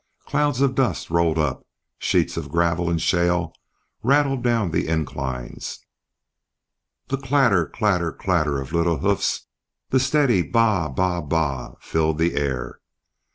Clouds of dust rolled up, sheets of gravel and shale rattled down the inclines, the clatter, clatter, clatter of little hoofs, the steady baa baa baa filled the air.